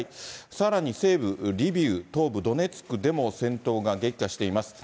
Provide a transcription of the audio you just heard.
さらに西部リビウ、東部ドネツクでも、戦闘が激化しています。